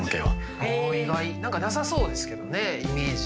何かなさそうですけどねイメージ。